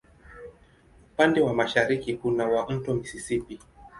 Upande wa mashariki kuna wa Mto Mississippi.